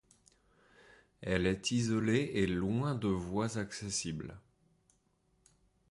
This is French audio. Elle est isolée et loin de voies accessibles.